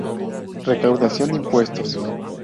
Recaudación de Impuestos.